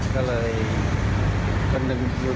ไม่ทำควิงนะเริ่มอะไร